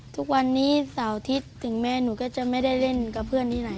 ทุกวันนี้เสาร์อาทิตย์ถึงแม่หนูก็จะไม่ได้เล่นกับเพื่อนที่ไหน